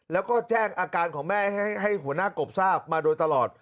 แล้วก็แจ้งอาการของแม่ให้หัวหน้ากบทราบมาโดยตลอด